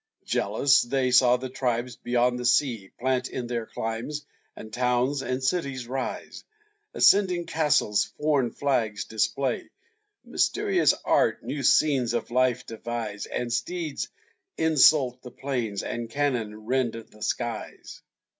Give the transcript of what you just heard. Jealous, they saw the tribes, beyond the sea, Plant in their climes; and towns, and cities, rise; Ascending castles foreign flags display; Mysterious art new scenes of life devise; And steeds insult the plains, and cannon rend the skies.